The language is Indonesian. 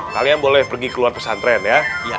kalian boleh pergi keluar pesantren ya